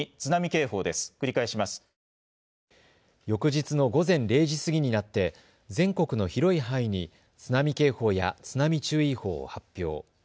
翌日の午前０時過ぎになって全国の広い範囲に津波警報や津波注意報を発表。